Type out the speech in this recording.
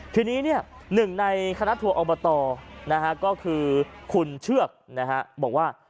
ทีนี้เนี่ยหนึ่งในคณะทัวร์ออกมาต่อนะฮะก็คือคุณเชือกนะฮะบอกว่า